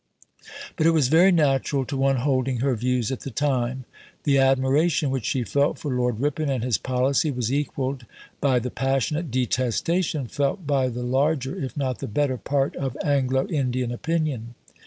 But it was very natural to one holding her views at the time. The admiration which she felt for Lord Ripon and his policy was equalled by the passionate detestation felt by the larger, if not the better, part of Anglo Indian opinion.